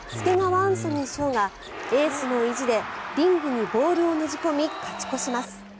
アンソニー翔がエースの意地でリングにボールをねじ込み勝ち越します。